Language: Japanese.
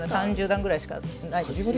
３０段くらいしかないですし。